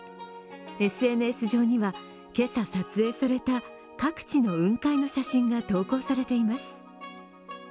ＳＮＳ上には、今朝撮影された各地の雲海の写真が投稿されています。